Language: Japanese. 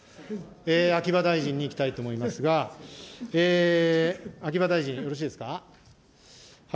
秋葉大臣にいきたいと思いますが、秋葉大臣、よろしいですか。